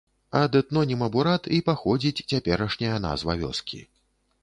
Ад этноніма бурат і паходзіць цяперашняя назва вёскі.